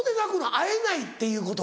会えないっていうこと？